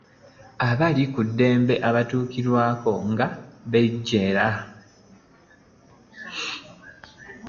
Abali ku ddemebe abatukulira nga bajeera .